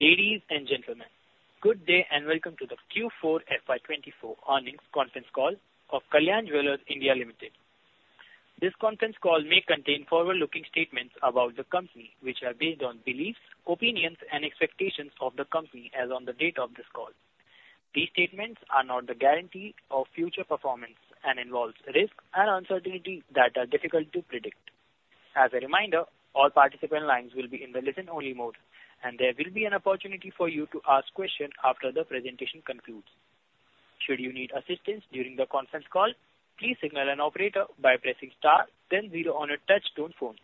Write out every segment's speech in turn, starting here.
Ladies and gentlemen, good day and welcome to the Q4 FY 2024 Earnings Conference Call of Kalyan Jewellers India Limited. This conference call may contain forward-looking statements about the company, which are based on beliefs, opinions, and expectations of the company as on the date of this call. These statements are not the guarantee of future performance and involve risk and uncertainty that are difficult to predict. As a reminder, all participant lines will be in the listen-only mode, and there will be an opportunity for you to ask questions after the presentation concludes. Should you need assistance during the conference call, please signal an operator by pressing star, then zero on a touch-tone phone.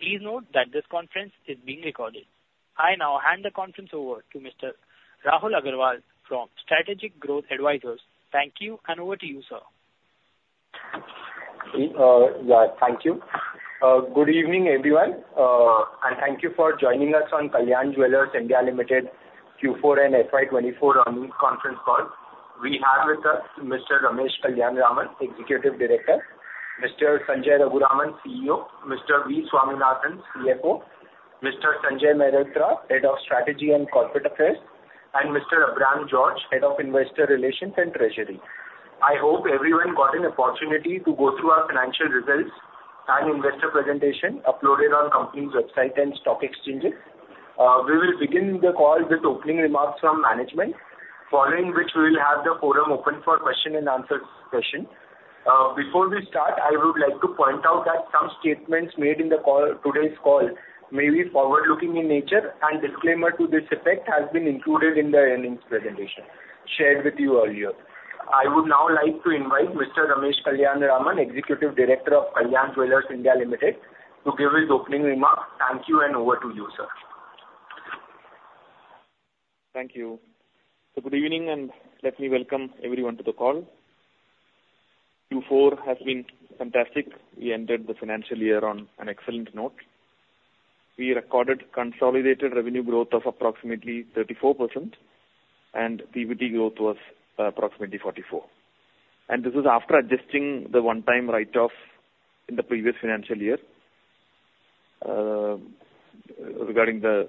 Please note that this conference is being recorded. I now hand the conference over to Mr. Rahul Agarwal from Strategic Growth Advisors. Thank you, and over to you, sir. Yeah, thank you. Good evening, everyone, and thank you for joining us on Kalyan Jewellers India Limited Q4 and FY 2024 Earnings Conference Call. We have with us Mr. Ramesh Kalyanaraman, Executive Director, Mr. Sanjay Raghuraman, CEO, Mr. V. Swaminathan, CFO, Mr. Sanjay Mehrotra, Head of Strategy and Corporate Affairs, and Mr. Abraham George, Head of Investor Relations and Treasury. I hope everyone got an opportunity to go through our financial results and investor presentation uploaded on the company's website and stock exchanges. We will begin the call with opening remarks from management, following which we will have the forum open for question-and-answer session. Before we start, I would like to point out that some statements made in today's call may be forward-looking in nature, and a disclaimer to this effect has been included in the earnings presentation shared with you earlier. I would now like to invite Mr. Ramesh Kalyanaraman, Executive Director of Kalyan Jewellers India Limited, to give his opening remarks. Thank you, and over to you, sir. Thank you. Good evening, and let me welcome everyone to the call. Q4 has been fantastic. We entered the financial year on an excellent note. We recorded consolidated revenue growth of approximately 34%, and PBT growth was approximately 44%. This is after adjusting the one-time write-off in the previous financial year regarding the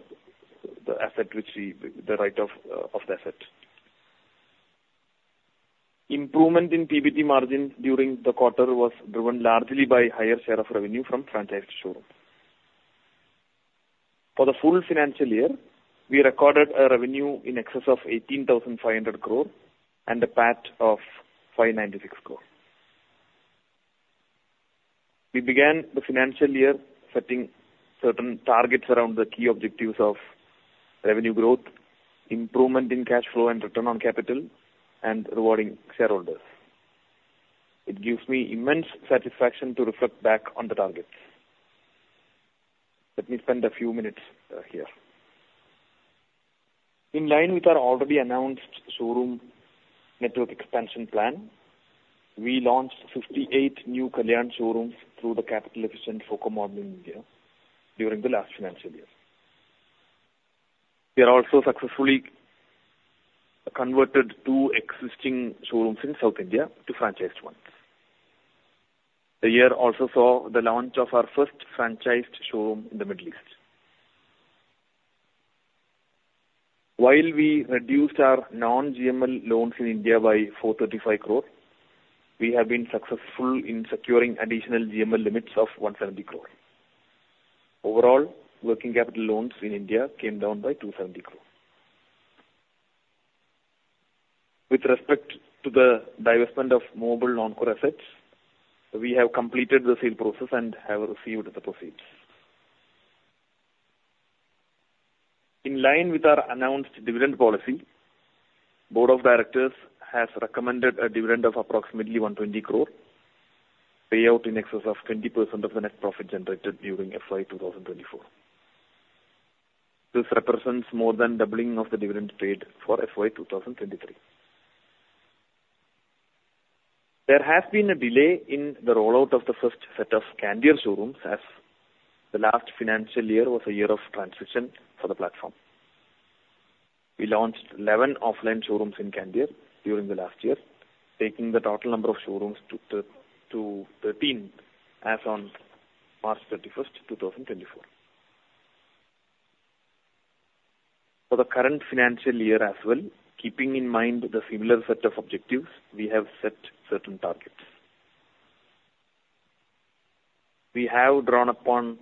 asset, which the write-off of the asset. Improvement in PBT margin during the quarter was driven largely by a higher share of revenue from franchised showrooms. For the full financial year, we recorded a revenue in excess of 18,500 crore and a PAT of 596 crore. We began the financial year setting certain targets around the key objectives of revenue growth, improvement in cash flow and return on capital, and rewarding shareholders. It gives me immense satisfaction to reflect back on the targets. Let me spend a few minutes here. In line with our already announced showroom network expansion plan, we launched 58 new Kalyan showrooms through the capital-efficient FOCO model in India during the last financial year. We have also successfully converted two existing showrooms in South India to franchised ones. The year also saw the launch of our first franchised showroom in the Middle East. While we reduced our non-GML loans in India by 435 crore, we have been successful in securing additional GML limits of 170 crore. Overall, working capital loans in India came down by 270 crore. With respect to the divestment of mobile non-core assets, we have completed the sale process and have received the proceeds. In line with our announced dividend policy, the Board of Directors has recommended a dividend of approximately 120 crore, payout in excess of 20% of the net profit generated during FY 2024. This represents more than doubling of the dividend paid for FY 2023. There has been a delay in the rollout of the first set of Candere showrooms as the last financial year was a year of transition for the platform. We launched 11 offline showrooms in Candere during the last year, taking the total number of showrooms to 13 as on March 31st, 2024. For the current financial year as well, keeping in mind the similar set of objectives, we have set certain targets. We have drawn upon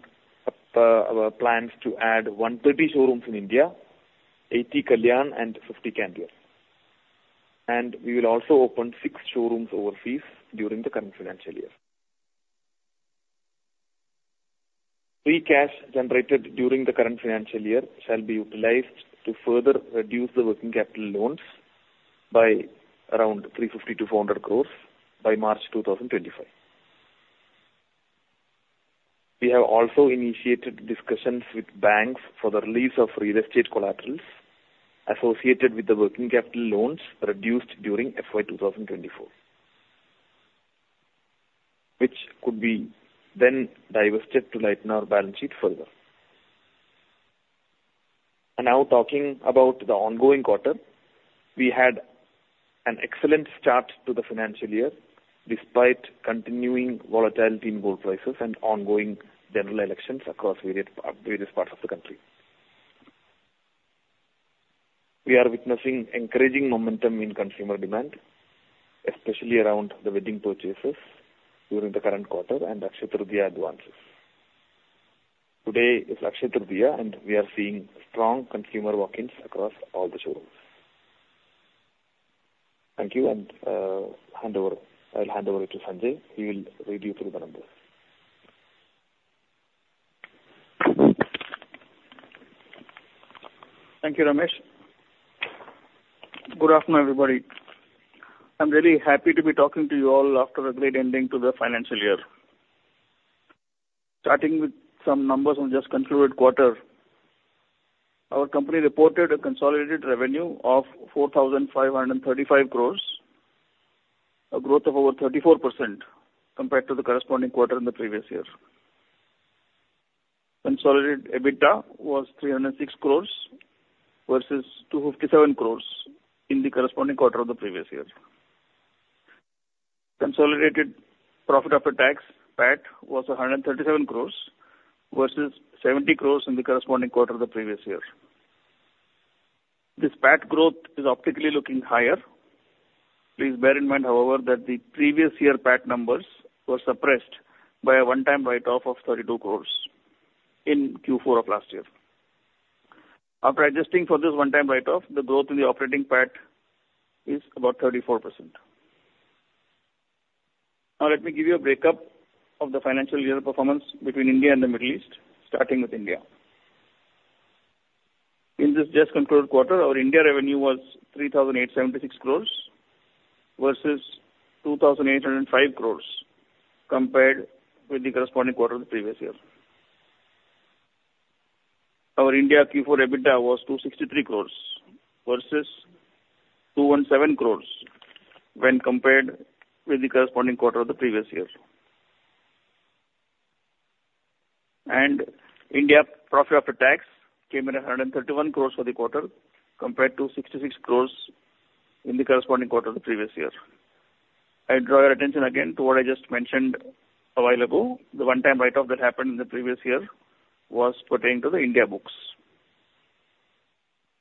plans to add 130 showrooms in India, 80 Kalyan, and 50 Candere. And we will also open six showrooms overseas during the current financial year. Free cash generated during the current financial year shall be utilized to further reduce the working capital loans by around 350 crores-400 crores by March 2025. We have also initiated discussions with banks for the release of real estate collaterals associated with the working capital loans reduced during FY2024, which could be then divested to lighten our balance sheet further. Now talking about the ongoing quarter, we had an excellent start to the financial year despite continuing volatility in gold prices and ongoing general elections across various parts of the country. We are witnessing encouraging momentum in consumer demand, especially around the wedding purchases during the current quarter and Akshaya Tritiya advances. Today is Akshaya Tritiya, and we are seeing strong consumer walk-ins across all the showrooms. Thank you, and I'll hand it over to Sanjay. He will read you through the numbers. Thank you, Ramesh. Good afternoon, everybody. I'm really happy to be talking to you all after a great ending to the financial year. Starting with some numbers on just the concluded quarter, our company reported a consolidated revenue of 4,535 crores, a growth of over 34% compared to the corresponding quarter in the previous year. Consolidated EBITDA was 306 crores versus 257 crores in the corresponding quarter of the previous year. Consolidated profit after tax (PAT) was 137 crores versus 70 crores in the corresponding quarter of the previous year. This PAT growth is optically looking higher. Please bear in mind, however, that the previous year PAT numbers were suppressed by a one-time write-off of 32 crores in Q4 of last year. After adjusting for this one-time write-off, the growth in the operating PAT is about 34%. Now, let me give you a break-up of the financial year performance between India and the Middle East, starting with India. In this just concluded quarter, our India revenue was 3,876 crores versus 2,805 crores compared with the corresponding quarter of the previous year. Our India Q4 EBITDA was 263 crores versus 217 crores when compared with the corresponding quarter of the previous year. India profit after tax came in at 131 crores for the quarter compared to 66 crores in the corresponding quarter of the previous year. I draw your attention again to what I just mentioned a while ago. The one-time write-off that happened in the previous year was pertaining to the India books.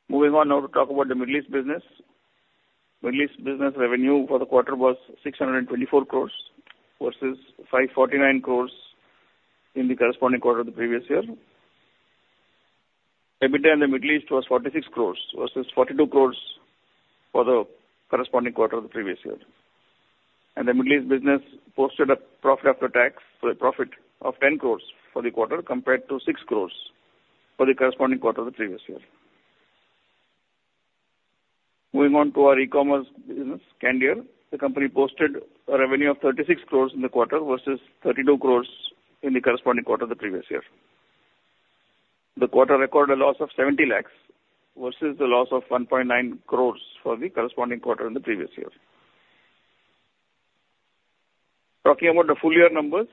Moving on now to talk about the Middle East business. Middle East business revenue for the quarter was 624 crores versus 549 crores in the corresponding quarter of the previous year. EBITDA in the Middle East was 46 crores versus 42 crores for the corresponding quarter of the previous year. The Middle East business posted a profit after tax profit of 10 crore for the quarter compared to 6 crore for the corresponding quarter of the previous year. Moving on to our e-commerce business, Candere, the company posted a revenue of 36 crore in the quarter versus 32 crore in the corresponding quarter of the previous year. The quarter recorded a loss of 70 lakh versus a loss of 1.9 crore for the corresponding quarter in the previous year. Talking about the full-year numbers,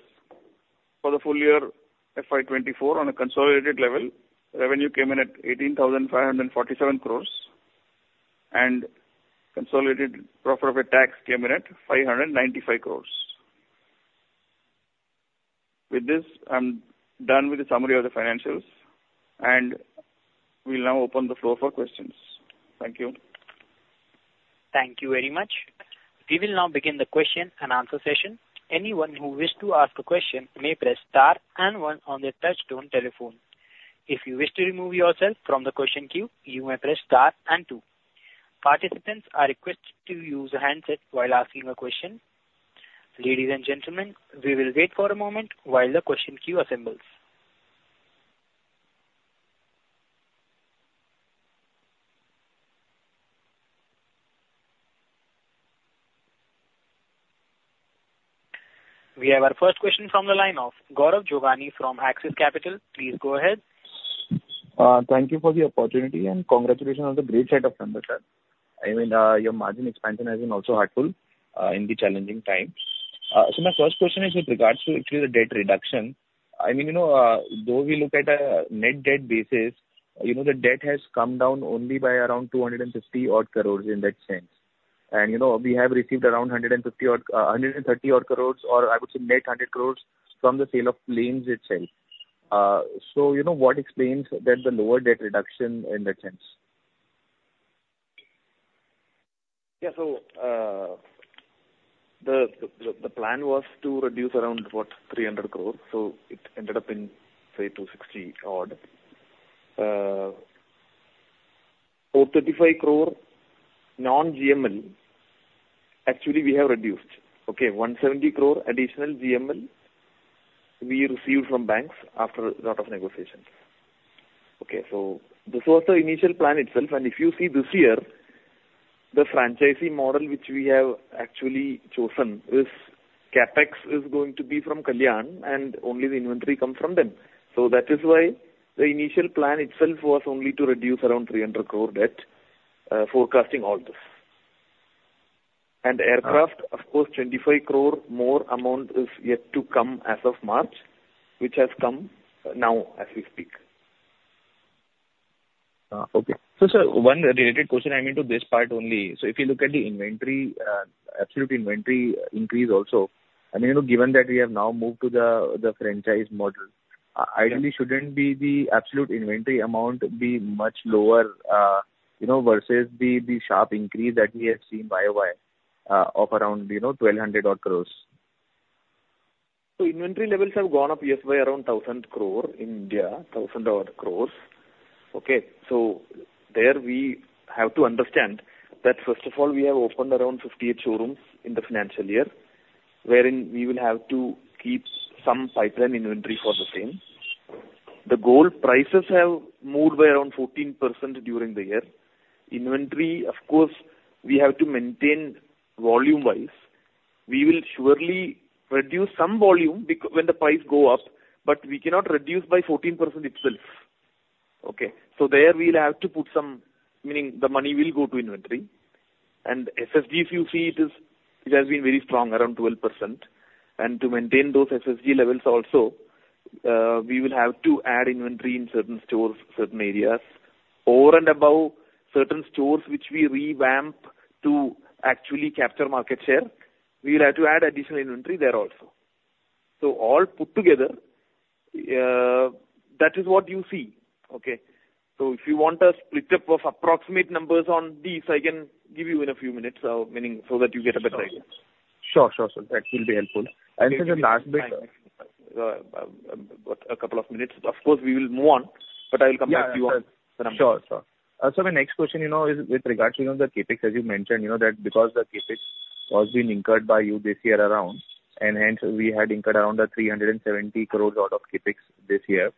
for the full-year FY 2024 on a consolidated level, revenue came in at 18,547 crore, and consolidated profit after tax came in at 595 crore. With this, I'm done with the summary of the financials, and we'll now open the floor for questions. Thank you. Thank you very much. We will now begin the question-and-answer session. Anyone who wishes to ask a question may press star and one on their touch-tone telephone. If you wish to remove yourself from the question queue, you may press star and two. Participants are requested to use a handset while asking a question. Ladies and gentlemen, we will wait for a moment while the question queue assembles. We have our first question from the line of Gaurav Jogani from Axis Capital. Please go ahead. Thank you for the opportunity, and congratulations on the great set of numbers, sir. I mean, your margin expansion has been also helpful in the challenging times. So my first question is with regards to, actually, the debt reduction. I mean, though we look at a net debt basis, the debt has come down only by around 250-odd crores in that sense. And we have received around 130-odd crores, or I would say net 100 crores, from the sale of claims itself. So what explains the lower debt reduction in that sense? Yeah, so the plan was to reduce around, what, 300 crore, so it ended up in, say, 260-odd. 435 crore non-GML, actually, we have reduced. Okay, 170 crore additional GML we received from banks after a lot of negotiations. Okay, so this was the initial plan itself. And if you see this year, the franchisee model which we have actually chosen is CapEx is going to be from Kalyan, and only the inventory comes from them. So that is why the initial plan itself was only to reduce around 300 crore debt, forecasting all this. And aircraft, of course, 25 crore more amount is yet to come as of March, which has come now as we speak. Okay. So sir, one related question, I mean, to this part only. So if you look at the absolute inventory increase also, I mean, given that we have now moved to the franchise model, ideally, shouldn't the absolute inventory amount be much lower versus the sharp increase that we have seen year-by-year of around 1,200-odd crore? So inventory levels have gone up year-by-year around 1,000 crore in India, 1,000-odd crores. Okay, so there we have to understand that, first of all, we have opened around 58 showrooms in the financial year, wherein we will have to keep some pipeline inventory for the same. The gold prices have moved by around 14% during the year. Inventory, of course, we have to maintain volume-wise. We will surely reduce some volume when the price goes up, but we cannot reduce by 14% itself. Okay, so there we'll have to put some meaning, the money will go to inventory. And SSSG, if you see, it has been very strong, around 12%. And to maintain those SSSG levels also, we will have to add inventory in certain stores, certain areas. Over and above certain stores which we revamp to actually capture market share, we will have to add additional inventory there also. All put together, that is what you see. Okay, if you want a split-up of approximate numbers on these, I can give you in a few minutes, meaning so that you get a better idea. Sure, sure, sure. That will be helpful. And sir, the last bit. A couple of minutes. Of course, we will move on, but I will come back to you on the numbers. Sure, sure. Sir, my next question is with regards to the CapEx, as you mentioned, that because the CapEx was being incurred by you this year around, and hence we had incurred around 370 crores-odd of CapEx this year.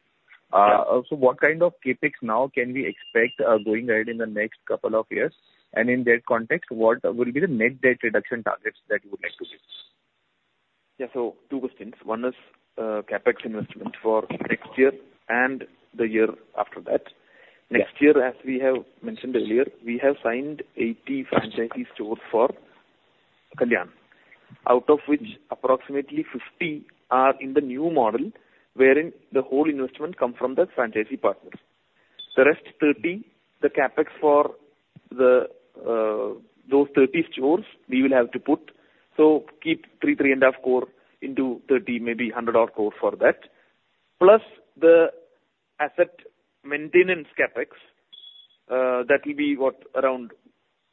So what kind of CapEx now can we expect going ahead in the next couple of years? And in that context, what will be the net debt reduction targets that you would like to see? Yeah, so two questions. One is CapEx investment for next year and the year after that. Next year, as we have mentioned earlier, we have signed 80 franchisee stores for Kalyan, out of which approximately 50 are in the new model, wherein the whole investment comes from the franchisee partners. The rest 30, the CapEx for those 30 stores, we will have to put. So keep 3 crore-3.5 crore into 30, maybe 100+ crore for that, plus the asset maintenance CapEx. That will be around,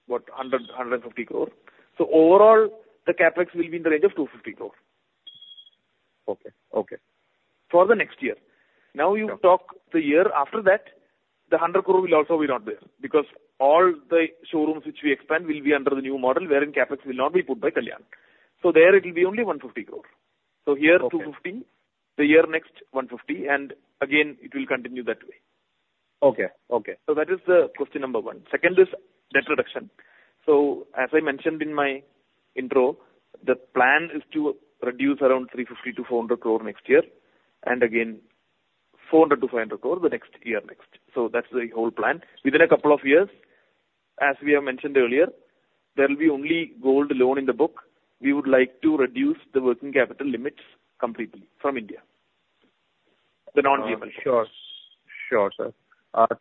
what, 100-150 crore. So overall, the CapEx will be in the range of 250 crore. Okay, okay. For the next year. Now you talk the year after that, the 100 crore will also be not there because all the showrooms which we expand will be under the new model, wherein CapEx will not be put by Kalyan. So there, it will be only 150 crore. So here, 250 crore. The year next, 150 crore. And again, it will continue that way. Okay, okay. So that is question number one. Second is debt reduction. So as I mentioned in my intro, the plan is to reduce around 350-400 crore next year, and again, 400-500 crore the next year next. So that's the whole plan. Within a couple of years, as we have mentioned earlier, there will be only gold loan in the book. We would like to reduce the working capital limits completely from India, the non-GML shares. Sure, sure, sir.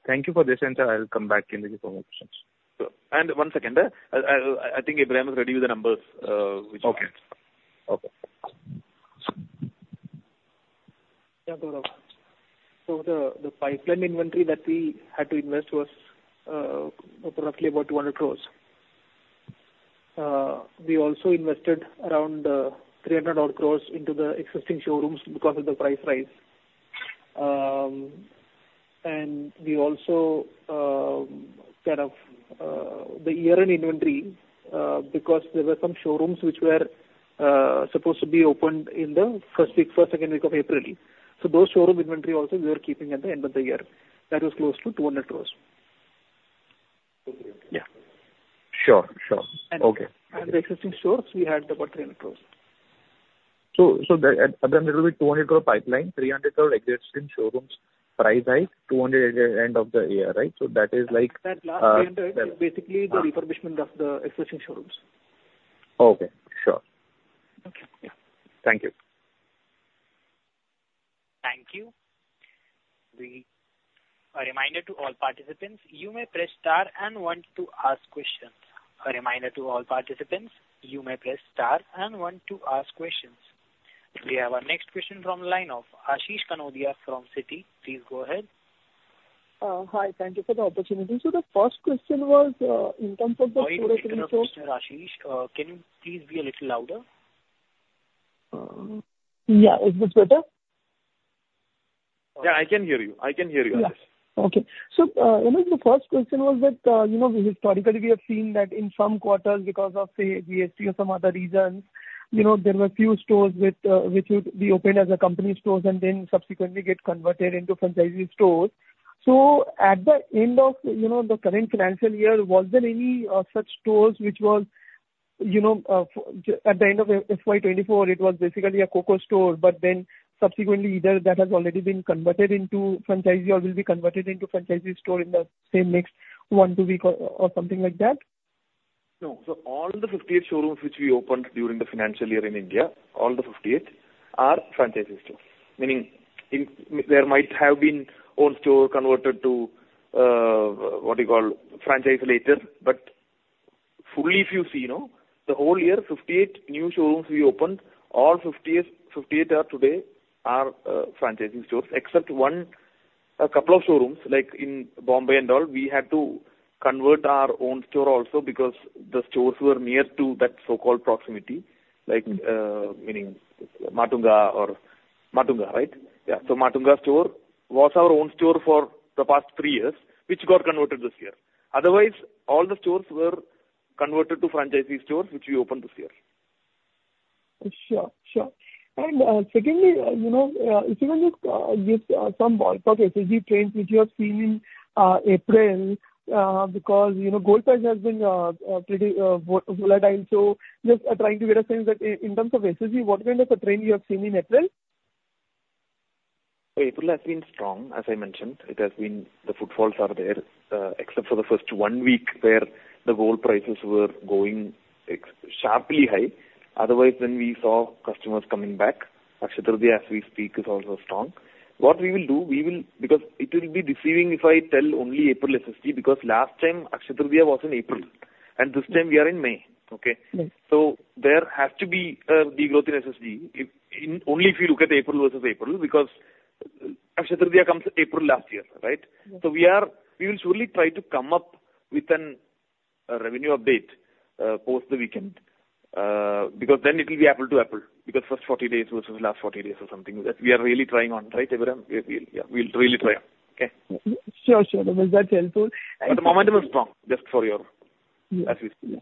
Thank you for this, and sir, I'll come back in with you for more questions. One second. I think Abraham is ready with the numbers which he has. Okay, okay. Yeah, Gaurav. So the pipeline inventory that we had to invest was approximately about 200 crore. We also invested around 300-odd crore into the existing showrooms because of the price rise. And we also kind of the year-end inventory because there were some showrooms which were supposed to be opened in the first week, first, second week of April. So those showroom inventory also, we were keeping at the end of the year. That was close to 200 crore. Okay, okay. Sure, sure. Okay. The existing stores, we had about 300 crore. Other than that, it will be 200 crore pipeline, 300 crore existing showrooms price hike, 200 crore at the end of the year, right? That is like. That last 300, basically, the refurbishment of the existing showrooms. Okay, sure. Okay, yeah. Thank you. Thank you. A reminder to all participants, you may press star and one to ask questions. A reminder to all participants, you may press star and one to ask questions. We have our next question from the line of Ashish Kanodia from Citi. Please go ahead. Hi, thank you for the opportunity. The first question was in terms Okay, you're welcome, Mr. Ashish. Can you please be a little louder? Yeah, is this better? Yeah, I can hear you. I can hear you, Ashish. Yeah, okay. So the first question was that historically, we have seen that in some quarters, because of, say, GST or some other reasons, there were a few stores which would be opened as a company store and then subsequently get converted into franchisee stores. So at the end of the current financial year, was there any such stores which was at the end of FY 2024, it was basically a COCO store, but then subsequently, either that has already been converted into franchisee or will be converted into franchisee store in the same next one or two weeks or something like that? No, so all the 58 showrooms which we opened during the financial year in India, all the 58, are franchisee stores. Meaning, there might have been own store converted to what you call franchise later. But fully, if you see, the whole year, 58 new showrooms we opened, all 58 are today franchisee stores, except one, a couple of showrooms. Like in Bombay and all, we had to convert our own store also because the stores were near to that so-called proximity, meaning Matunga or Matunga, right? Yeah, so Matunga store was our own store for the past three years, which got converted this year. Otherwise, all the stores were converted to franchisee stores which we opened this year. Sure, sure. Secondly, if you can just give some ballpark SSSG trends which you have seen in April because gold price has been pretty volatile. Just trying to get a sense that in terms of SSSG, what kind of a trend you have seen in April? April has been strong, as I mentioned. The footfalls are there, except for the first one week where the gold prices were going sharply high. Otherwise, then we saw customers coming back. Akshaya Tritiya, as we speak, is also strong. What we will do, we will because it will be deceiving if I tell only April SSSG because last time, Akshaya Tritiya was in April. This time, we are in May. Okay? So there has to be a degrowth in SSSG only if you look at April versus April because Akshaya Tritiya comes April last year, right? So we will surely try to come up with a revenue update post the weekend because then it will be apple to apple because first 40 days versus last 40 days or something that we are really trying on, right, Abraham? Yeah, we'll really try on. Okay? Sure, sure. Was that helpful? The momentum is strong just for your, as we speak. Yeah.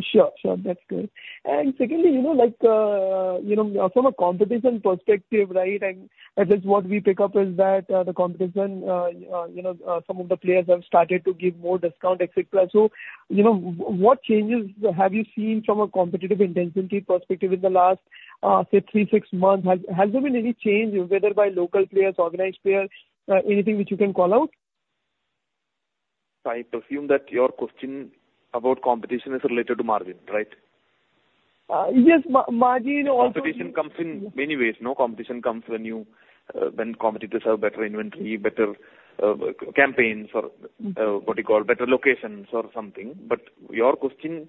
Sure, sure. That's good. And secondly, from a competition perspective, right, and at least what we pick up is that the competition, some of the players have started to give more discount, etc. So what changes have you seen from a competitive intensity perspective in the last, say, three, six months? Has there been any change whether by local players, organized players, anything which you can call out? I presume that your question about competition is related to margin, right? Yes, margin also. Competition comes in many ways. Competition comes when competitors have better inventory, better campaigns, or what you call, better locations or something. But your question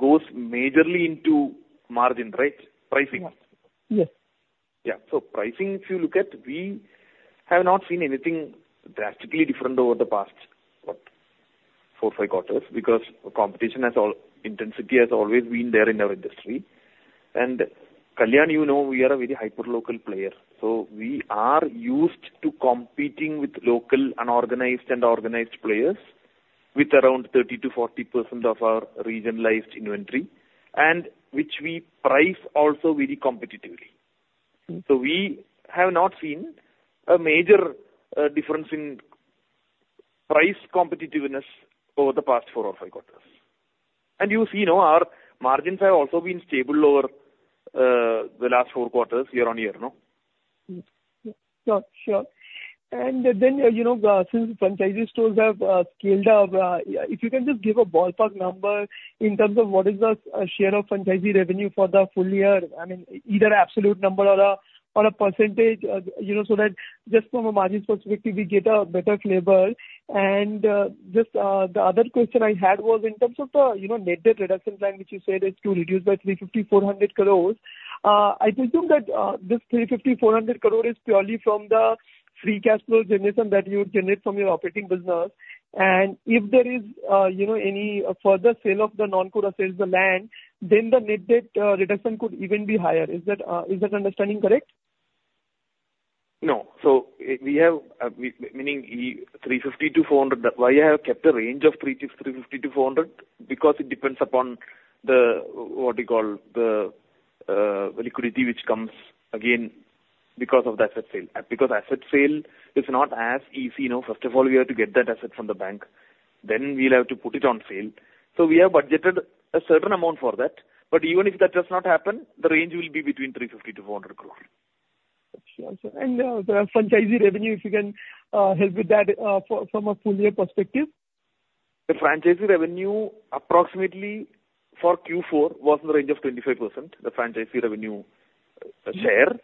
goes majorly into margin, right? Pricing. Yes. Yeah, so pricing, if you look at, we have not seen anything drastically different over the past, what, four-five quarters because competition has all intensity has always been there in our industry. And Kalyan, you know we are a very hyperlocal player. So we are used to competing with local unorganized and organized players with around 30%-40% of our regionalized inventory, and which we price also very competitively. So we have not seen a major difference in price competitiveness over the past four-five quarters. And you see, our margins have also been stable over the last four quarters, year-on-year, no? Sure, sure. And then since franchisee stores have scaled up, if you can just give a ballpark number in terms of what is the share of franchisee revenue for the full year, I mean, either absolute number or a percentage so that just from a margins perspective, we get a better flavor. And just the other question I had was in terms of the net debt reduction plan which you said is to reduce by 350-400 crore. I presume that this 350-400 crore is purely from the free cash flow generation that you generate from your operating business. And if there is any further sale of the non-core, sales of the land, then the net debt reduction could even be higher. Is that understanding correct? No, so we have, meaning, 350 crore-400 crore. Why I have kept a range of 350 crore-400 crore? Because it depends upon the, what you call, the liquidity which comes, again, because of the asset sale. Because asset sale is not as easy. First of all, we have to get that asset from the bank. Then we'll have to put it on sale. So we have budgeted a certain amount for that. But even if that does not happen, the range will be between 350 crore-400 crore. Sure, sure. And the franchisee revenue, if you can help with that from a full year perspective. The franchisee revenue, approximately for Q4, was in the range of 25%, the franchisee revenue share.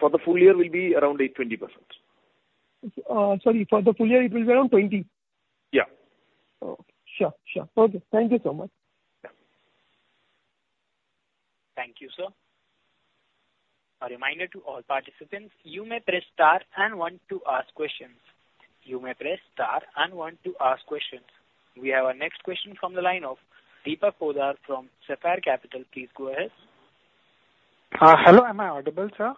For the full year, will be around 20%. Sorry, for the full year, it will be around 20%? Yeah. Oh, sure, sure. Okay, thank you so much. Yeah. Thank you, sir. A reminder to all participants, you may press star and one to ask questions. You may press star and one to ask questions. We have our next question from the line of Deepak Poddar from Sapphire Capital. Please go ahead. Hello, am I audible, sir?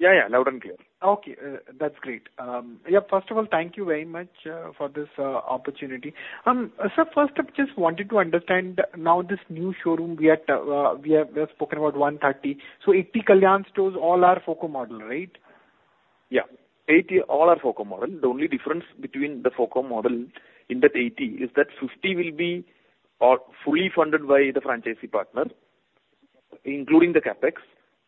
Yeah, yeah, loud and clear. Okay, that's great. Yeah, first of all, thank you very much for this opportunity. Sir, first, I just wanted to understand now this new showroom, we have spoken about 130. So 80 Kalyan stores, all are FOCO model, right? Yeah, 80 all are FOCO model. The only difference between the FOCO model in that 80 is that 50 will be fully funded by the franchisee partner, including the CapEx.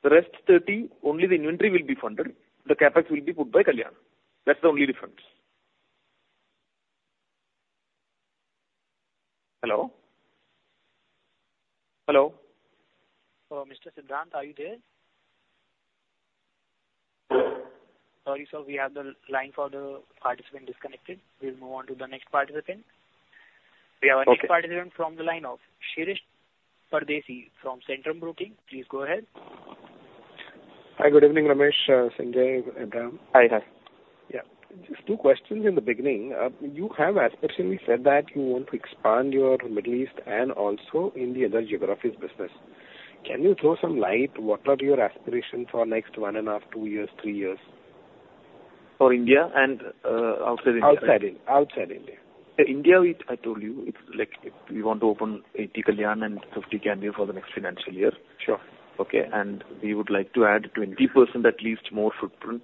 The rest 30, only the inventory will be funded. The CapEx will be put by Kalyan. That's the only difference. Hello? Hello? Mr. Deepak, are you there? Sorry, sir, we have the line for the participant disconnected. We'll move on to the next participant. We have our next participant from the line of Shirish Pardeshi from Centrum Broking. Please go ahead. Hi, good evening, Ramesh, Sanjay, Abraham. Hi, hi. Yeah, just two questions in the beginning. You have aspirationally said that you want to expand your Middle East and also India and the geographies business. Can you throw some light? What are your aspirations for next one and a half, two years, three years? For India and outside India? Outside India. India, I told you, we want to open 80 Kalyan and 50 Candere for the next financial year. Okay? And we would like to add 20% at least more footprint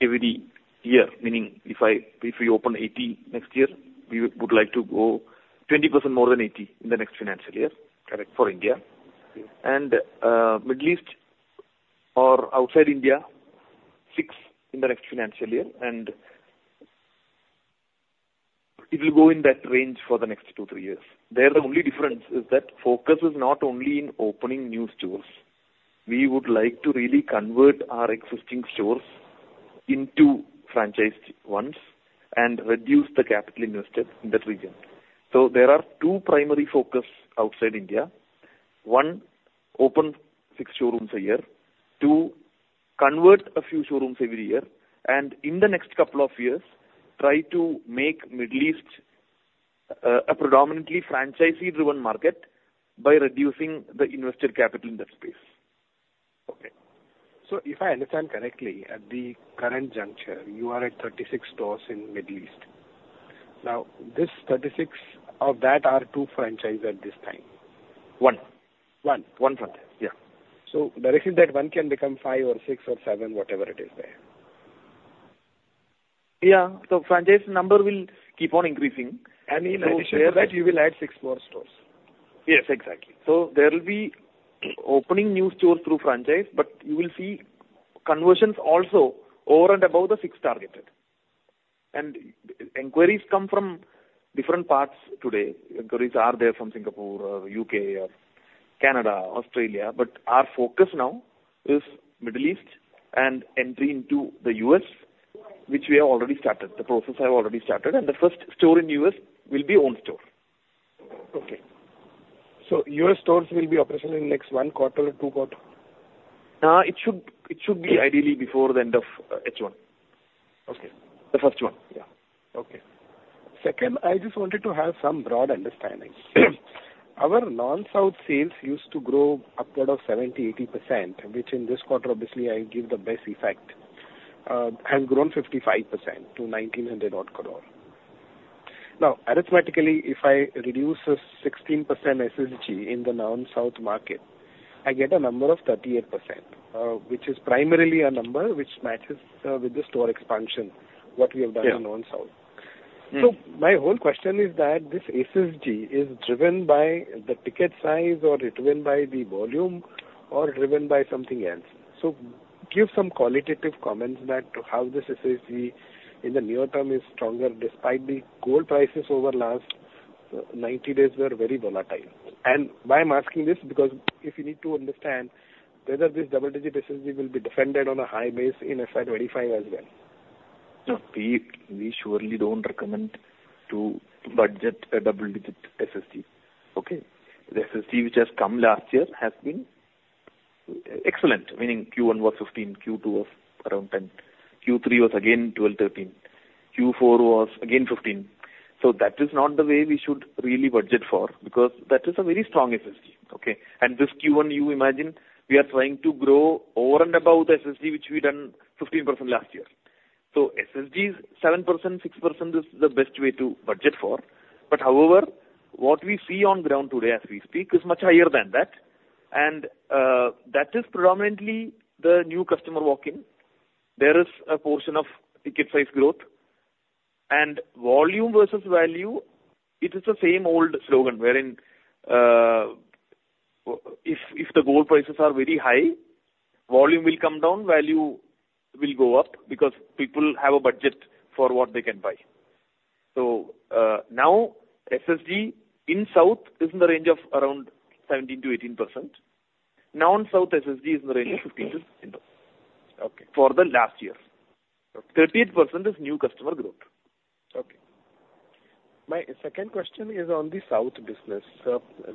every year. Meaning, if we open 80 next year, we would like to go 20% more than 80 in the next financial year for India. And Middle East or outside India, six in the next financial year. And it will go in that range for the next two, three years. There, the only difference is that focus is not only in opening new stores. We would like to really convert our existing stores into franchised ones and reduce the capital invested in that region. So there are two primary focuses outside India. One, open six showrooms a year. Two, convert a few showrooms every year. In the next couple of years, try to make Middle East a predominantly franchisee-driven market by reducing the invested capital in that space. Okay. So if I understand correctly, at the current juncture, you are at 36 stores in Middle East. Now, of that, are two franchise at this time? One. One? one front, yeah. The reason that one can become five or six or seven, whatever it is there? Yeah, so franchise number will keep on increasing. In a share that, you will add six more stores? Yes, exactly. So there will be opening new stores through franchise, but you will see conversions also over and above the six targeted. And inquiries come from different parts today. Inquiries are there from Singapore, U.K., Canada, Australia. But our focus now is Middle East and entry into the U.S., which we have already started. The process I have already started. And the first store in U.S. will be own store. Okay. U.S. stores will be operational in the next one quarter or two quarters? It should be ideally before the end of H1. The first one, yeah. Okay. Second, I just wanted to have some broad understanding. Our non-South sales used to grow upward of 70%-80%, which in this quarter, obviously, I give the best effect, has grown 55% to 1,900-odd crore. Now, arithmetically, if I reduce 16% SSSG in the non-South market, I get a number of 38%, which is primarily a number which matches with the store expansion, what we have done in non-South. So my whole question is that this SSSG is driven by the ticket size or driven by the volume or driven by something else? So give some qualitative comments that how this SSSG in the near term is stronger despite the gold prices over the last 90 days, they are very volatile. And why I'm asking this? Because if you need to understand whether this double-digit SSSG will be defended on a high base in FY 2025 as well. We surely don't recommend to budget a double-digit SSSG. Okay? The SSSG which has come last year has been excellent, meaning Q1 was 15%, Q2 was around 10%, Q3 was again 12-13%, Q4 was again 15%. So that is not the way we should really budget for because that is a very strong SSSG. Okay? And this Q1, you imagine, we are trying to grow over and above the SSSG which we done 15% last year. So SSSG is 7%, 6% is the best way to budget for. But however, what we see on ground today, as we speak, is much higher than that. And that is predominantly the new customer walk-in. There is a portion of ticket-size growth. Volume versus value, it is the same old slogan wherein if the gold prices are very high, volume will come down, value will go up because people have a budget for what they can buy. So now, SSSG in South is in the range of around 17%-18%. Non-South SSSG is in the range of 15%-16% for the last year. 38% is new customer growth. Okay. My second question is on the South business.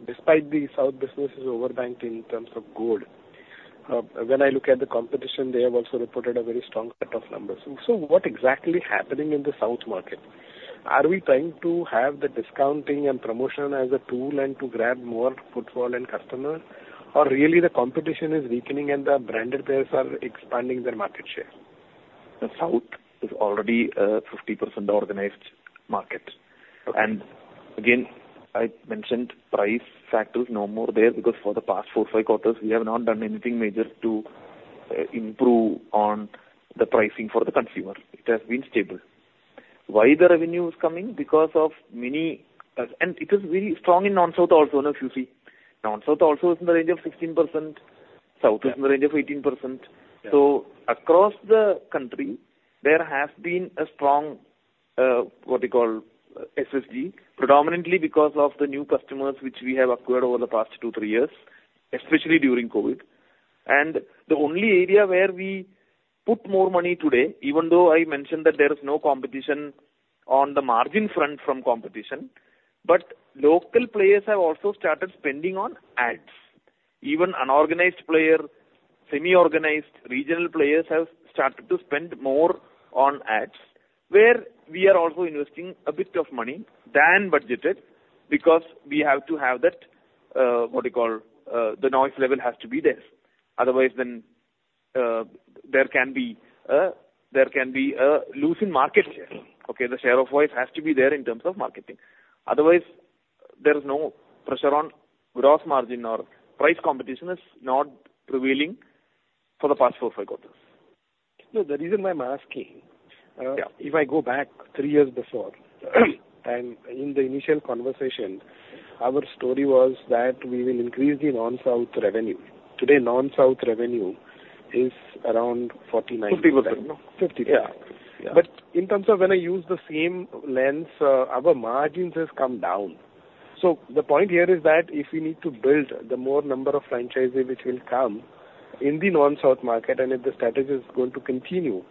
Despite the South business is overbanked in terms of gold, when I look at the competition, they have also reported a very strong cut-off numbers. So what exactly is happening in the South market? Are we trying to have the discounting and promotion as a tool and to grab more footfall and customers, or really the competition is weakening and the branded players are expanding their market share? The South is already a 50% organized market. Again, I mentioned price factors no more there because for the past 4-5 quarters, we have not done anything major to improve on the pricing for the consumer. It has been stable. Why the revenue is coming? Because of many and it is very strong in non-South also, no? If you see, non-South also is in the range of 16%. South is in the range of 18%. So across the country, there has been a strong, what you call, SSSG, predominantly because of the new customers which we have acquired over the past two-three years, especially during COVID. And the only area where we put more money today, even though I mentioned that there is no competition on the margin front from competition, but local players have also started spending on ads. Even unorganized player, semi-organized, regional players have started to spend more on ads where we are also investing a bit of money than budgeted because we have to have that, what you call, the noise level has to be there. Otherwise, then there can be a losing market share. Okay? The share of voice has to be there in terms of marketing. Otherwise, there is no pressure on gross margin or price competition is not prevailing for the past four-five quarters. No, the reason why I'm asking, if I go back three years before and in the initial conversation, our story was that we will increase the non-South revenue. Today, non-South revenue is around 49%. 50%, no? 50%. But in terms of when I use the same lens, our margins have come down. So the point here is that if we need to build the more number of franchisees which will come in the non-South market and if the strategy is going to continue,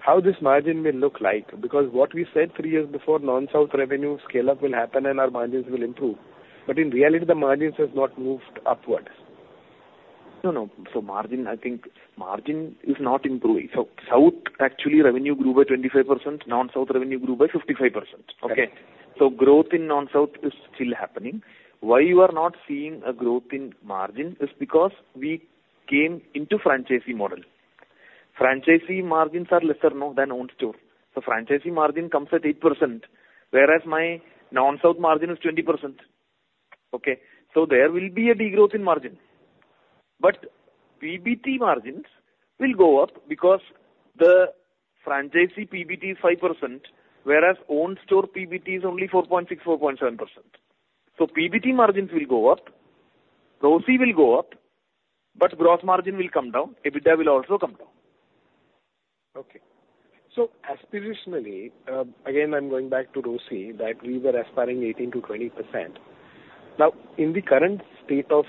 how this margin will look like? Because what we said three years before, non-South revenue scale-up will happen and our margins will improve. But in reality, the margins have not moved upwards. No, no. So margin, I think margin is not improving. So South, actually, revenue grew by 25%. Non-South revenue grew by 55%. Okay? So growth in non-South is still happening. Why you are not seeing a growth in margin is because we came into franchisee model. Franchisee margins are lesser, no, than own store. So franchisee margin comes at 8%, whereas my non-South margin is 20%. Okay? So there will be a degrowth in margin. But PBT margins will go up because the franchisee PBT is 5%, whereas own store PBT is only 4.6%-4.7%. So PBT margins will go up. ROCE will go up, but gross margin will come down. EBITDA will also come down. Okay. So aspirationally, again, I'm going back to ROCE, that we were aspiring 18%-20%. Now, in the current state of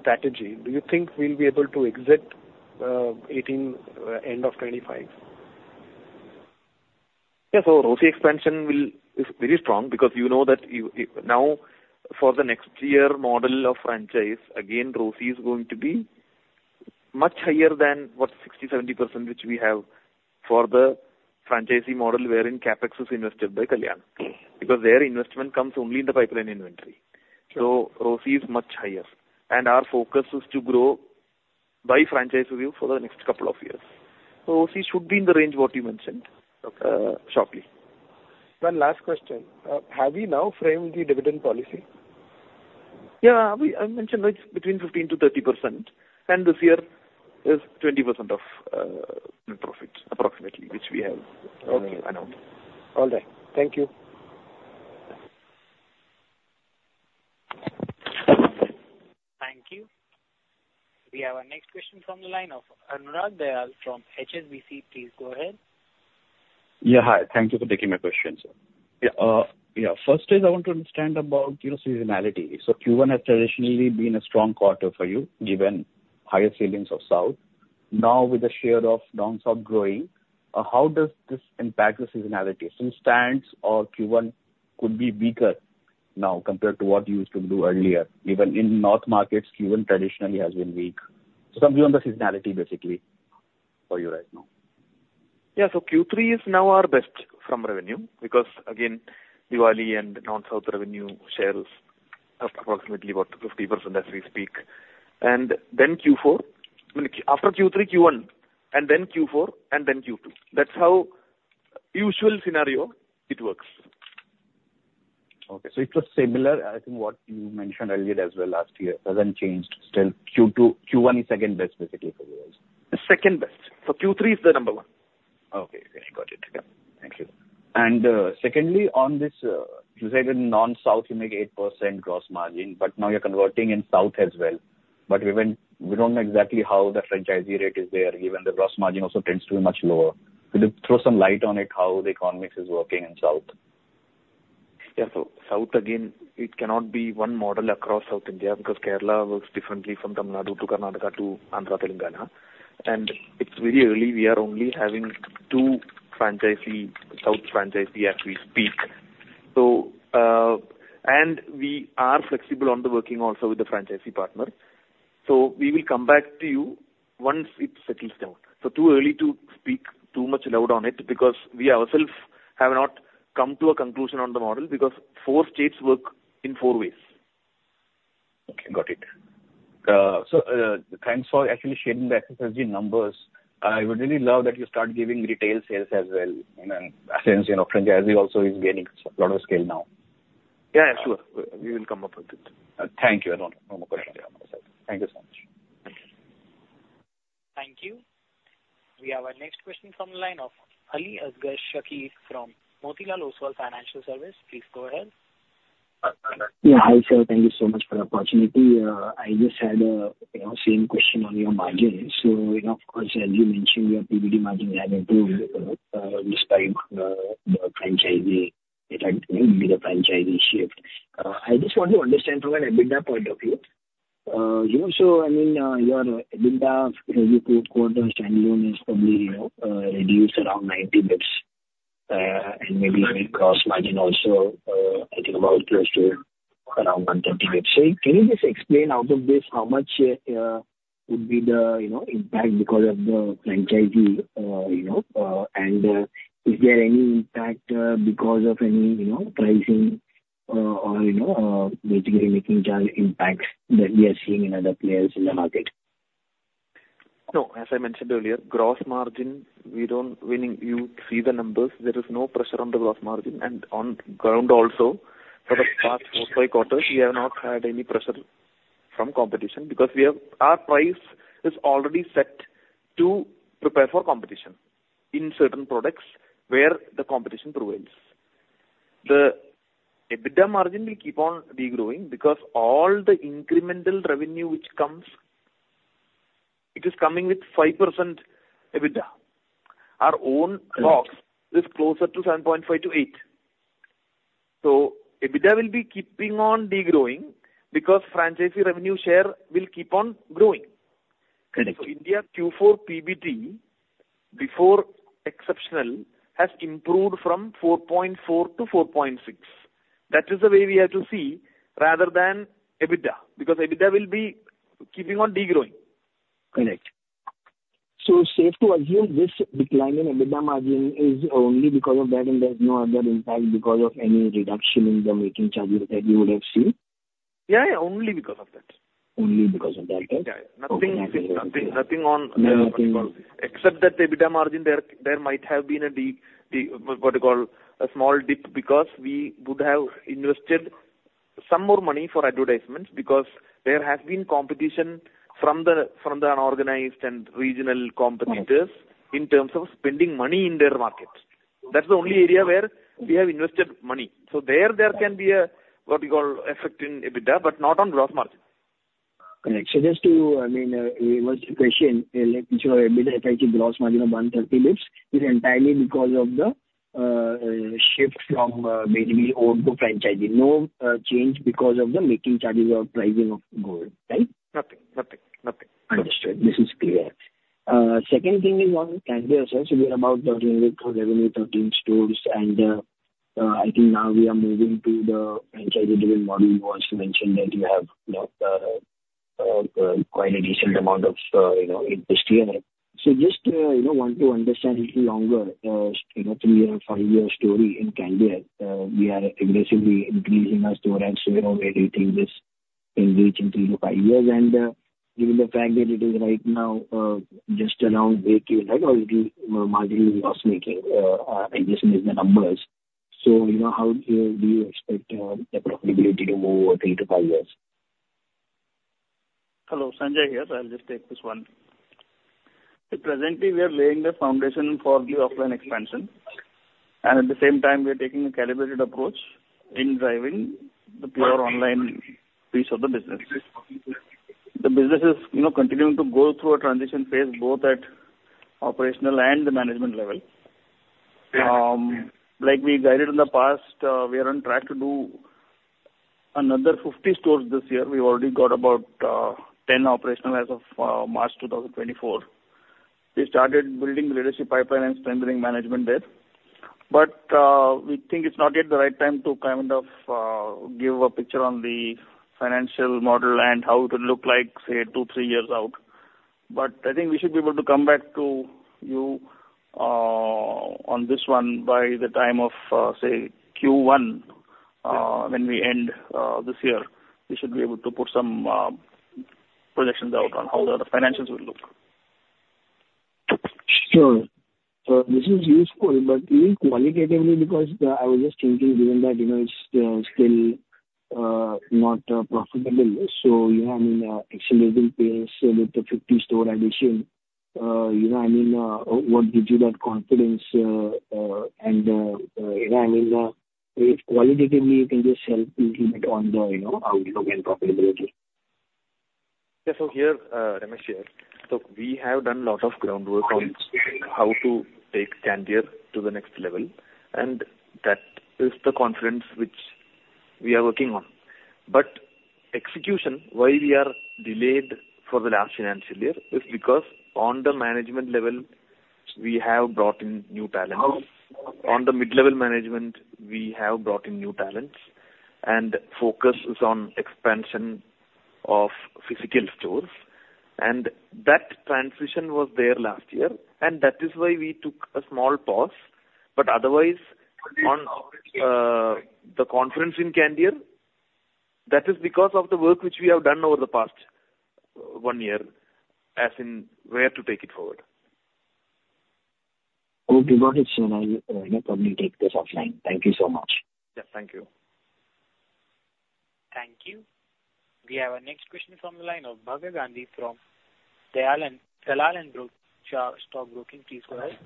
strategy, do you think we'll be able to exit 18% end of 2025? Yeah, so ROCE expansion is very strong because you know that now, for the next year model of franchise, again, ROCE is going to be much higher than what, 60%-70% which we have for the franchisee model wherein CapEx is invested by Kalyan because their investment comes only in the pipeline inventory. So ROCE is much higher. And our focus is to grow by franchise view for the next couple of years. So ROCE should be in the range, what you mentioned, shortly. One last question. Have we now framed the dividend policy? Yeah, I mentioned it's between 15%-30%. This year is 20% of net profit, approximately, which we have announced. Okay. All right. Thank you. Thank you. We have our next question from the line of Anurag Dayal from HSBC. Please go ahead. Yeah, hi. Thank you for taking my question, sir. Yeah, first is I want to understand about seasonality. So Q1 has traditionally been a strong quarter for you, given higher weddings in South. Now, with the share of non-South growing, how does this impact the seasonality? So, one stands to reason Q1 could be weaker now compared to what you used to do earlier. Even in North markets, Q1 traditionally has been weak. So some view on the seasonality, basically, for you right now. Yeah, so Q3 is now our best from revenue because, again, Diwali and non-South revenue share is approximately about 50% as we speak. And then Q4, I mean, after Q3, Q1, and then Q4, and then Q2. That's how usual scenario it works. Okay. So it's just similar, I think, what you mentioned earlier as well last year. It hasn't changed. Still, Q1 is second best, basically, for you guys. Second best. So Q3 is the number one. Okay. Okay. I got it. Yeah. Thank you. Secondly, on this, you said in non-South, you make 8% gross margin, but now you're converting in South as well. We don't know exactly how the franchisee rate is there, given the gross margin also tends to be much lower. Could you throw some light on it, how the economics is working in South? Yeah, so South, again, it cannot be one model across South India because Kerala works differently from Tamil Nadu to Karnataka to Andhra Telangana. It's very early. We are only having two South franchisees as we speak. We are flexible on the working also with the franchisee partner. We will come back to you once it settles down. Too early to speak too much aloud on it because we ourselves have not come to a conclusion on the model because four states work in four ways. Okay. Got it. Thanks for actually sharing the SSSG numbers. I would really love that you start giving retail sales as well since franchisee also is gaining a lot of scale now. Yeah, yeah. Sure. We will come up with it. Thank you, Anurag. No more questions on my side. Thank you so much. Thank you. Thank you. We have our next question from the line of Aliasgar Shakir from Motilal Oswal Financial Services. Please go ahead. Yeah, hi, sir. Thank you so much for the opportunity. I just had the same question on your margin. So of course, as you mentioned, your PBT margins have improved despite the franchisee shift. I just want to understand from an EBITDA point of view. So I mean, your EBITDA, you put quarter standalone is probably reduced around 90 basis points and maybe gross margin also, I think, about close to around 130 basis points. So can you just explain out of this how much would be the impact because of the franchisee? And is there any impact because of any pricing or basically making change impacts that we are seeing in other players in the market? No, as I mentioned earlier, gross margin, meaning you see the numbers, there is no pressure on the gross margin. On ground also, for the past four, five quarters, we have not had any pressure from competition because our price is already set to prepare for competition in certain products where the competition prevails. The EBITDA margin will keep on degrowing because all the incremental revenue which comes, it is coming with 5% EBITDA. Our own box is closer to 7.5%-8%. EBITDA will be keeping on degrowing because franchisee revenue share will keep on growing. India Q4 PBT, before exceptional, has improved from 4.4% to 4.6%. That is the way we have to see rather than EBITDA because EBITDA will be keeping on degrowing. Correct. So safe to assume this decline in EBITDA margin is only because of that and there's no other impact because of any reduction in the making charges that you would have seen? Yeah, yeah. Only because of that. Only because of that, okay. Nothing on what you call except that EBITDA margin, there might have been a, what you call, a small dip because we would have invested some more money for advertisements because there has been competition from the unorganized and regional competitors in terms of spending money in their market. That's the only area where we have invested money. So there, there can be a, what you call, effect in EBITDA but not on gross margin. Correct. So just to, I mean, reverse the question. Let me show you EBITDA effect in gross margin of 130 basis points is entirely because of the shift from basically own to franchisee. No change because of the making charges or pricing of gold, right? Nothing. Nothing. Nothing. Understood. This is clear. Second thing is on Candere, sir. So we're about 13 revenue, 13 stores. And I think now we are moving to the franchisee-driven model. You also mentioned that you have quite a decent amount of inquiries. So just want to understand a little longer, three-year or five-year story in Candere. We are aggressively increasing our store. And so we're rating this engagement three to five years. And given the fact that it is right now just around break-even, right, or margin loss making, I just missed the numbers. So how do you expect the profitability to move over three to five years? Hello. Sanjay here. So I'll just take this one. So presently, we are laying the foundation for the offline expansion. And at the same time, we are taking a calibrated approach in driving the pure online piece of the business. The business is continuing to go through a transition phase both at operational and the management level. Like we guided in the past, we are on track to do another 50 stores this year. We already got about 10 operational as of March 2024. We started building the leadership pipeline and spending management there. But we think it's not yet the right time to kind of give a picture on the financial model and how it would look like, say, two, three years out. But I think we should be able to come back to you on this one by the time of, say, Q1 when we end this year. We should be able to put some projections out on how the financials will look. Sure. This is useful. But even qualitatively, because I was just thinking, given that it's still not profitable, so I mean, accelerating pace with the 50-store addition, I mean, what gives you that confidence? And I mean, if qualitatively, you can just help me a little bit on the outlook and profitability. Yeah, so here, Ramesh here. So we have done a lot of groundwork on how to take Candere to the next level. And that is the confidence which we are working on. But execution, why we are delayed for the last financial year is because on the management level, we have brought in new talent. On the mid-level management, we have brought in new talent. And focus is on expansion of physical stores. And that transition was there last year. And that is why we took a small pause. But otherwise, on the confidence in Candere, that is because of the work which we have done over the past one year as in where to take it forward. Okay. Got it, sir. I'll probably take this offline. Thank you so much. Yeah, thank you. Thank you. We have our next question from the line of Bhargav Gandhi from Dalal & Broacha Stock Broking. Please go ahead.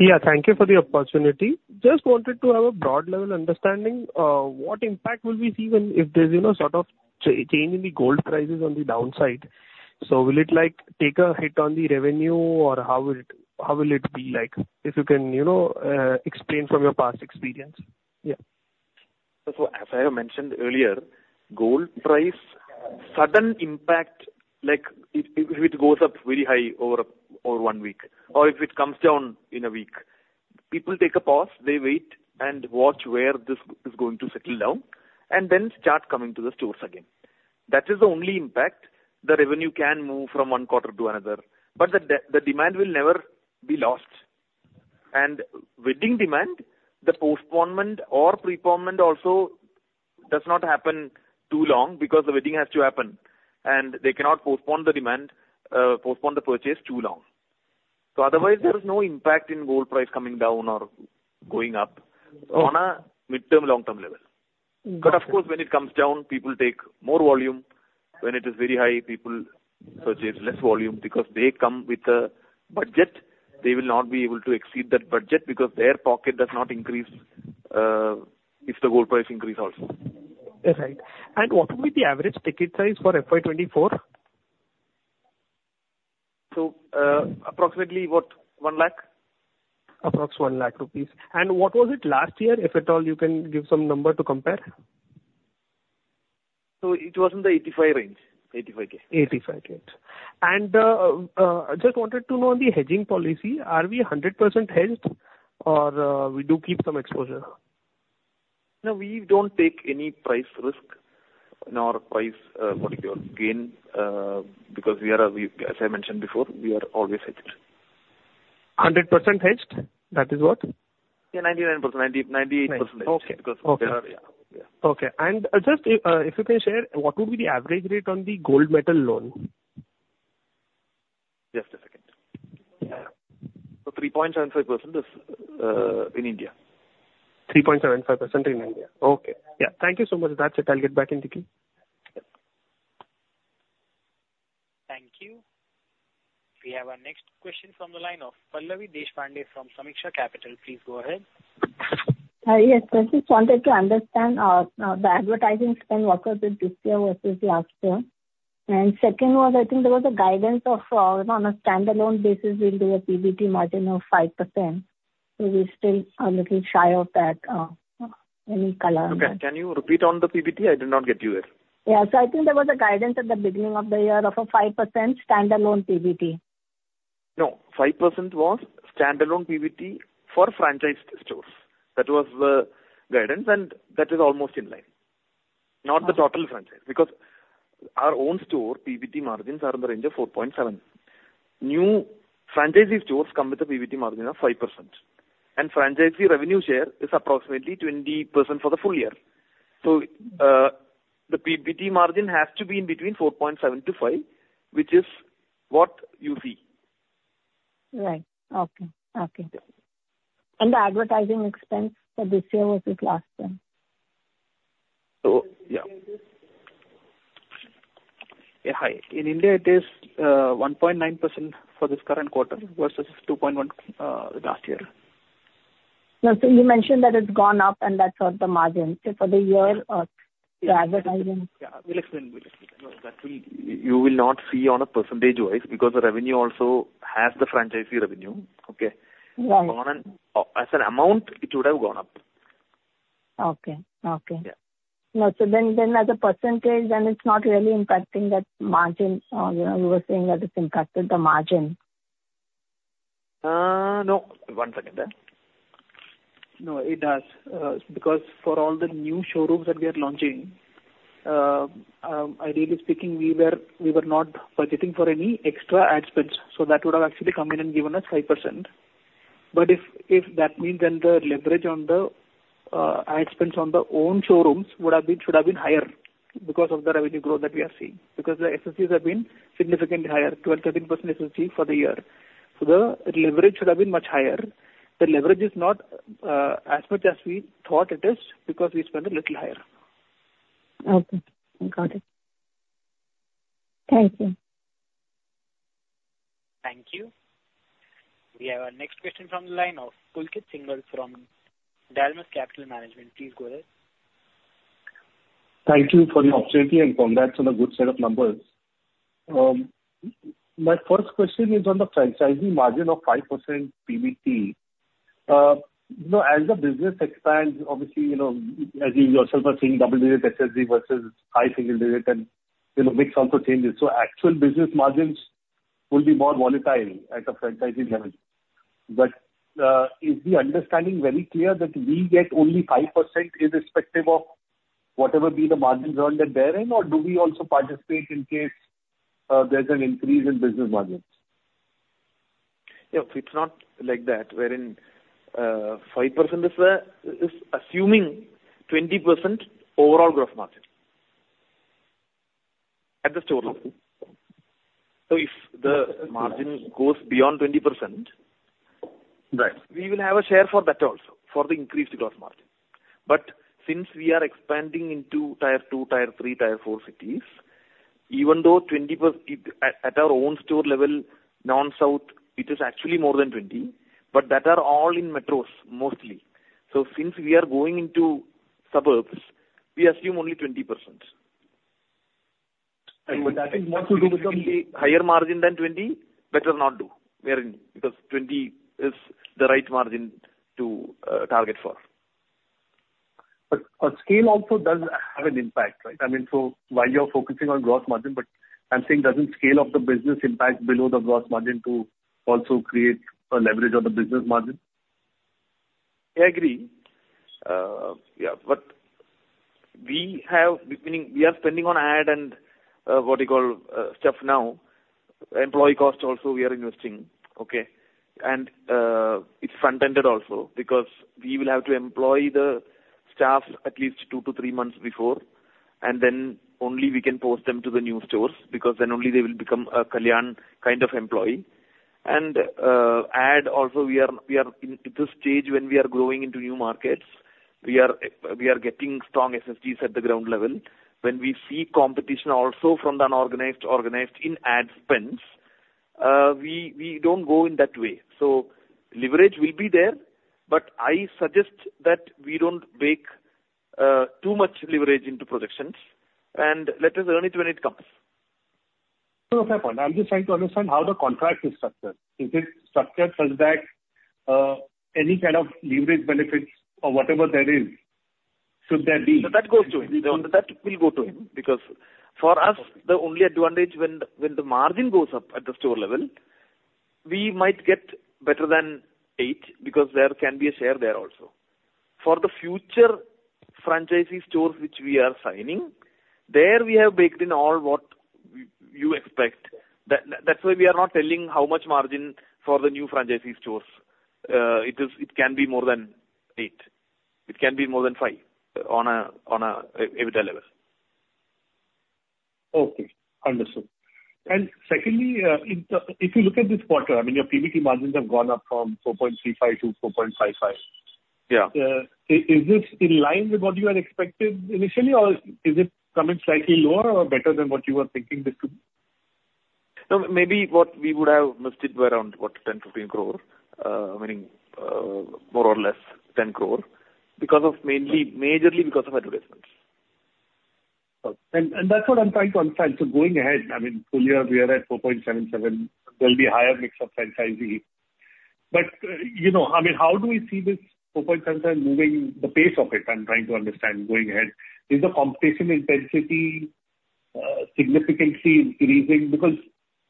Yeah, thank you for the opportunity. Just wanted to have a broad-level understanding. What impact will we see if there's sort of change in the gold prices on the downside? So will it take a hit on the revenue, or how will it be? If you can explain from your past experience. Yeah. So as I have mentioned earlier, gold price sudden impact, if it goes up very high over one week or if it comes down in a week, people take a pause. They wait and watch where this is going to settle down and then start coming to the stores again. That is the only impact. The revenue can move from one quarter to another. But the demand will never be lost. And within demand, the postponement or preponement also does not happen too long because the wedding has to happen. They cannot postpone the demand, postpone the purchase too long. So otherwise, there is no impact in gold price coming down or going up on a mid-term, long-term level. But of course, when it comes down, people take more volume. When it is very high, people purchase less volume because they come with a budget. They will not be able to exceed that budget because their pocket does not increase if the gold price increases also. Right. And what would be the average ticket size for FY 2024? So approximately what? 1 lakh? Approximately 1 lakh rupees. And what was it last year, if at all? You can give some number to compare. So it was in the 85,000 range, 85,000. 85,000. And just wanted to know on the hedging policy, are we 100% hedged, or we do keep some exposure? No, we don't take any price risk nor price, what you call, gain because we are, as I mentioned before, we are always hedged. 100% hedged? That is what? Yeah, 99%, 98% hedged because there are yeah. Yeah. Okay. And just if you can share, what would be the average rate on the gold metal loan? Just a second. So 3.75% in India. 3.75% in India. Okay. Yeah. Thank you so much. That's it. I'll get back in to you. Thank you. We have our next question from the line of Pallavi Deshpande from Sameeksha Capital. Please go ahead. Yes. I just wanted to understand the advertising spend, what was it this year versus last year? And second was, I think there was a guidance of on a standalone basis, we'll do a PBT margin of 5%. So we still are looking shy of any color on that. Okay. Can you repeat on the PBT? I did not get you there. Yeah. So I think there was a guidance at the beginning of the year of a 5% standalone PBT. No, 5% was standalone PBT for franchised stores. That was the guidance. That is almost in line, not the total franchise because our own store PBT margins are in the range of 4.7. New franchisee stores come with a PBT margin of 5%. Franchisee revenue share is approximately 20% for the full year. The PBT margin has to be in between 4.7%-5%, which is what you see. Right. Okay. Okay. And the advertising expense for this year versus last year? Yeah. Hi. In India, it is 1.9% for this current quarter versus 2.1% last year. No. So you mentioned that it's gone up, and that's what the margin for the year or the advertising? Yeah. We'll explain. We'll explain. You will not see on a percentage-wise because the revenue also has the franchisee revenue, okay? As an amount, it would have gone up. Okay. Okay. No. So then as a percentage, then it's not really impacting that margin. You were saying that it's impacted the margin. No. One second. No, it does because for all the new showrooms that we are launching, ideally speaking, we were not budgeting for any extra ad spends. So that would have actually come in and given us 5%. But if that means, then the leverage on the ad spends on the own showrooms should have been higher because of the revenue growth that we are seeing because the SSSGs have been significantly higher, 12%-13% SSSG for the year. So the leverage should have been much higher. The leverage is not as much as we thought it is because we spend a little higher. Okay. Got it. Thank you. Thank you. We have our next question from the line of Pulkit Singhal from Dalmus Capital Management. Please go ahead. Thank you for the opportunity and congrats on a good set of numbers. My first question is on the franchisee margin of 5% PBT. As the business expands, obviously, as you yourself are seeing, double-digit SSSG versus high single-digit and mix also changes. So actual business margins will be more volatile at a franchisee level. But is the understanding very clear that we get only 5% irrespective of whatever be the margins earned therein, or do we also participate in case there's an increase in business margins? Yeah. It's not like that. Wherein 5% is assuming 20% overall gross margin at the store level. So if the margin goes beyond 20%, we will have a share for that also for the increased gross margin. But since we are expanding into tier two, tier three, tier four cities, even though at our own store level, non-South, it is actually more than 20%, but that are all in metros mostly. So since we are going into suburbs, we assume only 20%. And I think more to do with the higher margin than 20, better not do because 20% is the right margin to target for. But scale also does have an impact, right? I mean, so while you're focusing on gross margin, but I'm saying doesn't scale of the business impact below the gross margin to also create a leverage on the business margin? Yeah. I agree. Yeah. But meaning, we are spending on ad and what you call stuff now, employee cost also, we are investing, okay? And it's front-ended also because we will have to employ the staff at least two-three months before. And then only we can post them to the new stores because then only they will become a Kalyan kind of employee. And ad also, we are at this stage when we are growing into new markets, we are getting strong SSSGs at the ground level. When we see competition also from the unorganized, organized in ad spends, we don't go in that way. So leverage will be there. But I suggest that we don't bake too much leverage into projections. And let us earn it when it comes. So fair point. I'm just trying to understand how the contract is structured. Is it structured such that any kind of leverage benefits or whatever there is, should there be? So that goes to him. That will go to him because for us, the only advantage when the margin goes up at the store level, we might get better than 8% because there can be a share there also. For the future franchisee stores which we are signing, there we have baked in all what you expect. That's why we are not telling how much margin for the new franchisee stores. It can be more than 8%. It can be more than 5% on a EBITDA level. Okay. Understood. Secondly, if you look at this quarter, I mean, your PBT margins have gone up from 4.35%-4.55%. Is this in line with what you had expected initially, or is it coming slightly lower or better than what you were thinking this would be? No. Maybe what we would have missed it were around what, 10-15 crore, meaning more or less 10 crore because of mainly majorly because of advertisements. And that's what I'm trying to understand. So going ahead, I mean, full year, we are at 4.77%. There'll be higher mix of franchisee. But I mean, how do we see this 4.77% moving the pace of it? I'm trying to understand going ahead. Is the competition intensity significantly increasing? Because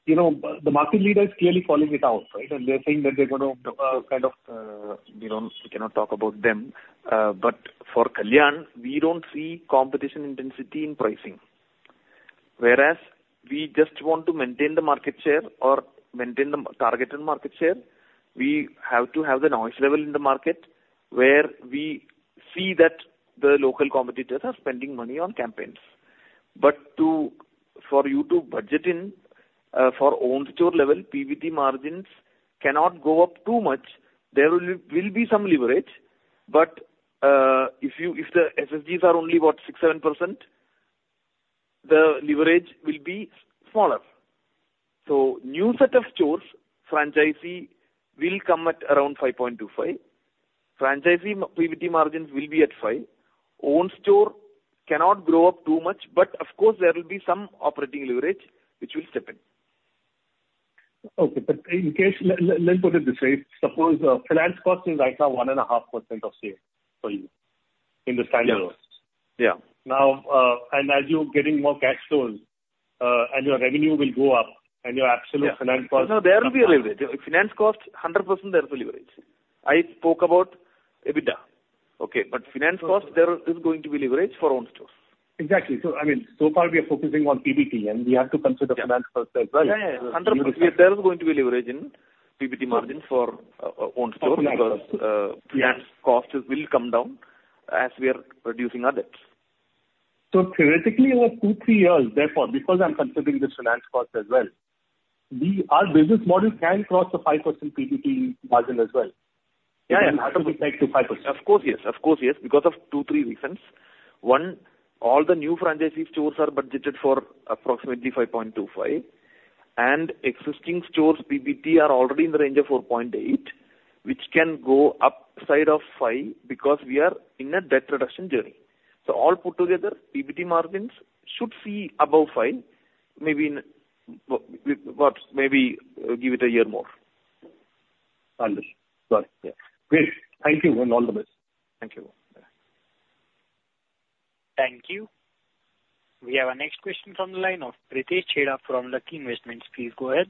the market leader is clearly calling it out, right? And they're saying that they're going to kind of we cannot talk about them. But for Kalyan, we don't see competition intensity in pricing. Whereas we just want to maintain the market share or maintain the targeted market share, we have to have the noise level in the market where we see that the local competitors are spending money on campaigns. But for you to budget in for own store level, PBT margins cannot go up too much. There will be some leverage. But if the SSSGs are only what, 6%-7%, the leverage will be smaller. So new set of stores, franchisee will come at around 5.25%. Franchisee PBT margins will be at 5%. Own store cannot grow up too much. But of course, there will be some operating leverage which will step in. Okay. But let me put it this way. Suppose finance cost is right now 1.5% of CA for you in the standard order. And as you're getting more cash flows and your revenue will go up and your absolute finance cost. No. There will be a leverage. Finance cost, 100%, there is a leverage. I spoke about EBITDA, okay? But finance cost, there is going to be leverage for own stores. Exactly. So I mean, so far, we are focusing on PBT, and we have to consider finance cost as well. Yeah. Yeah. 100%. There is going to be leverage in PBT margins for own stores because finance cost will come down as we are reducing our debt. So theoretically, over two-three years, therefore, because I'm considering this finance cost as well, our business model can cross the 5% PBT margin as well. It will have to be tied to 5%. Of course. Yes. Of course. Yes. Because of two, three reasons. One, all the new franchisee stores are budgeted for approximately 5.25%. And existing stores' PBT are already in the range of 4.8%, which can go upside of 5% because we are in a debt reduction journey. So all put together, PBT margins should see above 5%, maybe what, maybe give it a year more. Understood. Got it. Great. Thank you and all the best. Thank you. Yeah. Thank you. We have our next question from the line of Pritesh Chheda from Lucky Investment Managers. Please go ahead.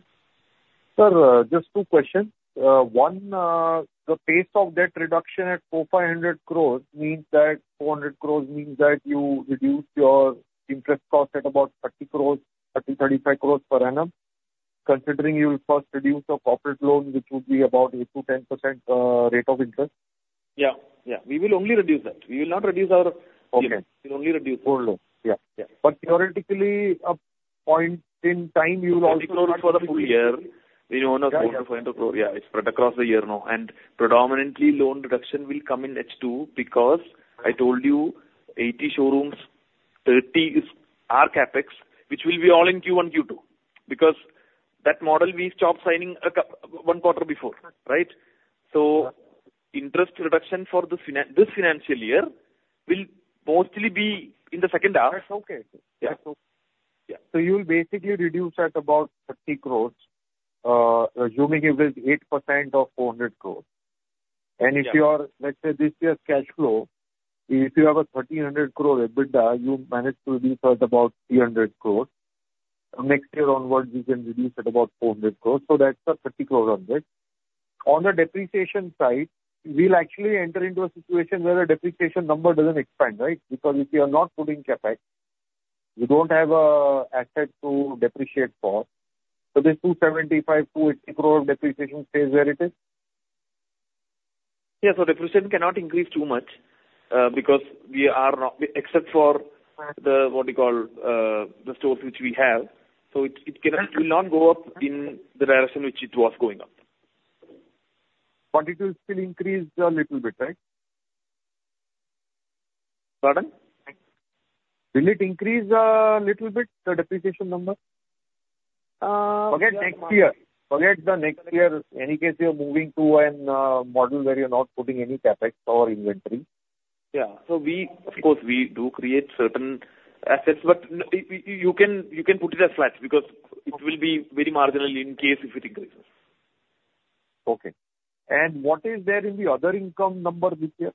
Sir, just two questions. One, the pace of debt reduction at 4,500 crore means that 400 crore means that you reduce your interest cost at about 30 crore, 30 crore, 35 crores per annum, considering you will first reduce your corporate loan, which would be about 8%-10% rate of interest. Yeah. Yeah. We will only reduce that. We will not reduce our loan. We will only reduce it. Whole loan. Yeah. But theoretically, a point in time, you will also. INR 80 crores for the full year. We own INR 4-500 crore. Yeah. It's spread across the year now. And predominantly, loan reduction will come in H2 because I told you 80 showrooms, 30 are CapEx, which will be all in Q1, Q2 because that model, we stopped signing one quarter before, right? So interest reduction for this financial year will mostly be in the second half. That's okay. That's okay. So you will basically reduce at about 30 crore, assuming it was 8% of 400 crore. And if you are, let's say, this year's cash flow, if you have a 1,300 crore EBITDA, you manage to reduce at about 300 crore. Next year onward, you can reduce at about 400 crore. So that's a 30 crore on this. On the depreciation side, we'll actually enter into a situation where the depreciation number doesn't expand, right? Because if you are not putting CapEx, you don't have an asset to depreciate for. So this 275-280 crore depreciation stays where it is? Yeah. So depreciation cannot increase too much because we are not, except for the what you call the stores which we have. So it will not go up in the direction which it was going up. But it will still increase a little bit, right? Pardon? Will it increase a little bit, the depreciation number? Forget next year. Forget the next year. In any case, you're moving to a model where you're not putting any CapEx or inventory. Yeah. So of course, we do create certain assets. But you can put it as flat because it will be very marginal in case if it increases. Okay. And what is there in the other income number this year?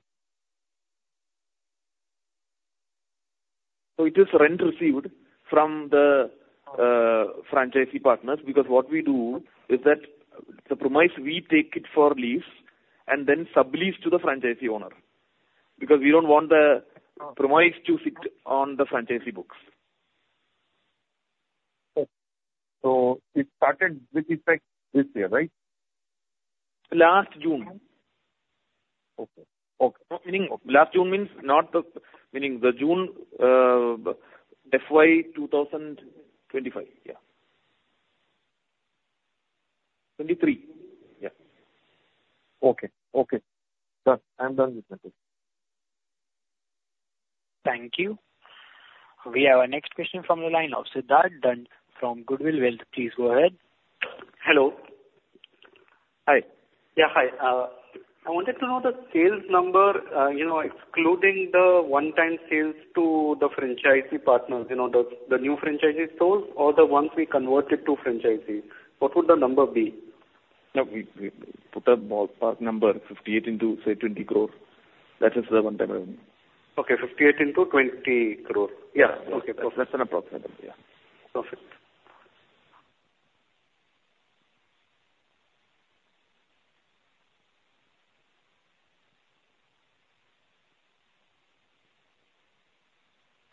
So it is rent received from the franchisee partners because what we do is that the premises, we take it for lease and then sublease to the franchisee owner because we don't want the premises to sit on the franchisee books. Okay. So it started with effect this year, right? Last June. Okay. Okay. Meaning last June means not the meaning the June FY 2025. Yeah. 2023. Yeah. Okay. Okay. Sir, I'm done with my questions. Thank you. We have our next question from the line of Siddhant Dand from Goodwill Wealth. Please go ahead. Hello. Hi. Yeah. Hi. I wanted to know the sales number excluding the one-time sales to the franchisee partners, the new franchisee stores or the ones we converted to franchisees. What would the number be? No. We put a ballpark number, 58 into, say, 20 crore. That is the one-time revenue. Okay. 58 into 20 crore. Yeah. Okay. Perfect. That's an approximate. Yeah. Perfect.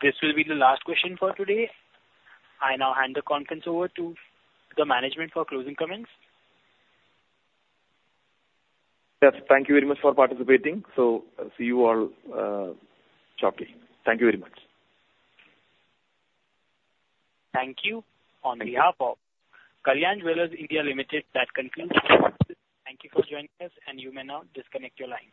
This will be the last question for today. I now hand the conference over to the management for closing comments. Yes. Thank you very much for participating. See you all shortly. Thank you very much. Thank you on behalf of Kalyan Jewellers India Limited. That concludes our conference. Thank you for joining us, and you may now disconnect your line.